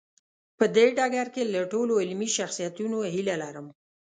په دې ډګر کې له ټولو علمي شخصیتونو هیله لرم.